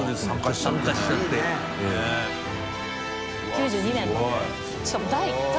９２年のしかも第１回。